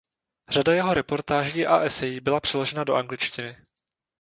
Řada jeho reportáží a esejí byla přeložena do angličtiny.